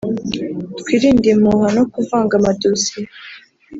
Twirinde impuha no kuvanga amadosiye